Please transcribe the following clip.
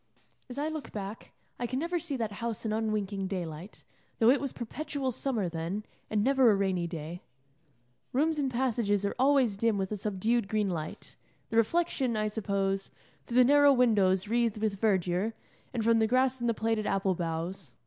As I look back, I can never see that house in unwinking daylight, though it was perpetual summer then, and never a rainy day. Rooms and passages are always dim with a subdued green light, the reflection, I suppose, through the narrow windows wreathed with verdure, and from the grass and the plaited apple boughs.